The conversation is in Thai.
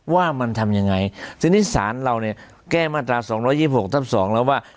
ว่ามันทำยังไงทีนี้ศาลเราเนี่ยแก้มาตรา๒๒๖ทับ๒แล้วว่า